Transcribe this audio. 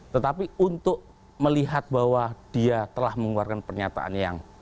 tetapi untuk melihat bahwa dia telah mengeluarkan pernyataan yang